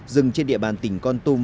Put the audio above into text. rừng trên địa bàn tỉnh con tum